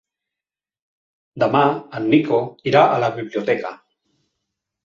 Demà en Nico irà a la biblioteca.